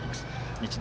日大